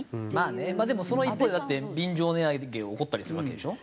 でもその一方でだって便乗値上げ起こったりするわけでしょ？